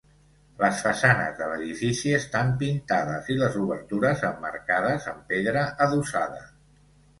Les façanes de l'edifici estan pintades i les obertures emmarcades amb pedra adossada.